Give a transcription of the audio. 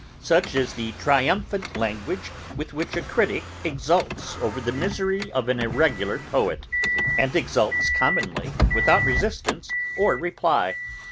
Such is the triumphant language with which a critick exults over the misery of an irregular poet, and exults commonly without resistance or reply.